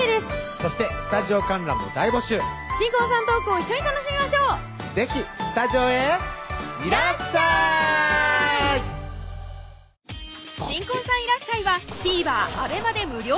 そしてスタジオ観覧も大募集新婚さんのトークを一緒に楽しみましょう是非スタジオへいらっしゃい新婚さんいらっしゃい！はＴＶｅｒ